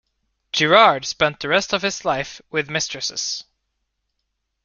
Girard spent the rest of his life with mistresses.